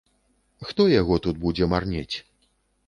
Хто яго тут будзе марнець.